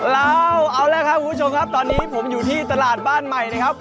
เราเอาแล้วครับคุณผู้ชมครับตอนนี้ผมอยู่ที่ตลาดบ้านใหม่นะครับ